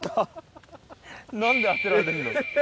何で当てられるの？